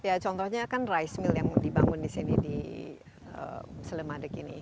ya contohnya kan rice mill yang dibangun di sini di slemadeg ini